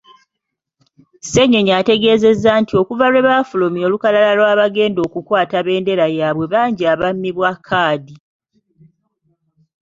Ssenyonyi ategeezezza nti okuva lwebafulumya olukalala lw'abagenda okukwata bbendera yabwe bangi abammibwa kkaadi.